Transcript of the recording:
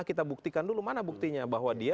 kita buktikan dulu mana buktinya bahwa dia